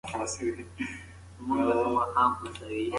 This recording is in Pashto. ماشومان د مینې اړتیا لري.